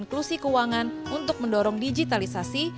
menggunakan keseleksi keuangan untuk mendorong digitalisasi